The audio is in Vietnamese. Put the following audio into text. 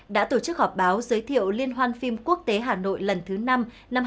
đã tổ chức họp báo giới thiệu liên hoan phim quốc tế hà nội lần thứ năm năm hai nghìn hai mươi